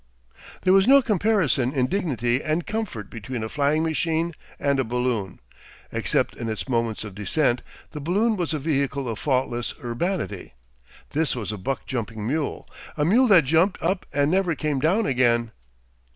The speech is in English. There was no comparison in dignity and comfort between a flying machine and a balloon. Except in its moments of descent, the balloon was a vehicle of faultless urbanity; this was a buck jumping mule, a mule that jumped up and never came down again.